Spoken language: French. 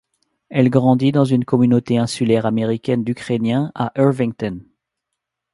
Elle grandit dans une communauté insulaire américaine d'ukrainiens à Irvington.